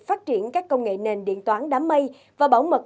phát triển các công nghệ nền điện toán đám mây và bảo mật